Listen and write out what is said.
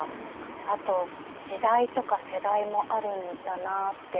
あと時代とか世代もあるんだなあって。